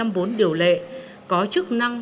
một trăm linh bốn điều lệ có chức năng